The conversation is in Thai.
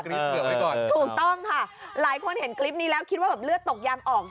ถูกต้องค่ะหลายคนเห็นกรี๊ดนี้แล้วคิดว่าแบบเลือดตกยามออก